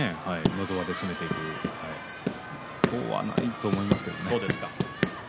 のど輪で攻めていく今日はないと思いますけどね。